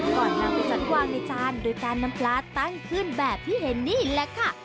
ก่อนนำไปสันวางในจานโดยการนำปลาตั้งขึ้นแบบที่เห็นนี่แหละค่ะ